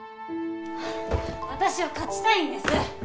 私は勝ちたいんです！